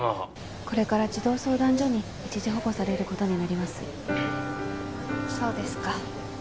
これから児童相談所に一時保護されることになりますそうですか